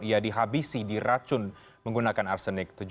ia dihabisi diracun menggunakan arsenik